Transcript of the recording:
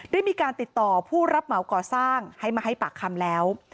ได้มีการติดต่อผู้รับเหมาก่อสร้างให้มาให้ปากคำแล้ว